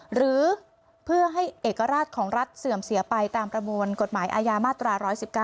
หรือเพื่อให้เอกราชของรัฐเสื่อมเสียไปตามประมวลกฎหมายอาญามาตรา๑๑๙